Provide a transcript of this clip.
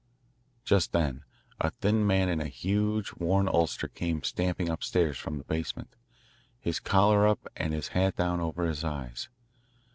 Just then a thin man in a huge, worn ulster came stamping upstairs from the basement, his collar up and his hat down over his eyes.